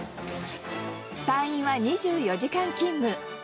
隊員は２４時間勤務。